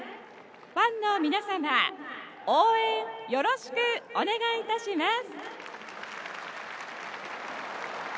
ファンの皆様、応援よろしくお願いいたします。